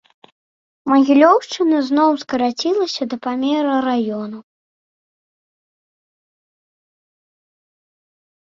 Магілёўшчына зноў скарацілася да памераў раёна.